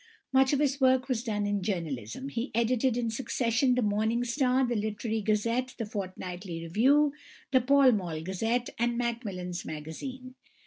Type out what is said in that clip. Much of his work was done in journalism; he edited in succession the Morning Star, the Literary Gazette, the Fortnightly Review, the Pall Mall Gazette, and Macmillan's Magazine.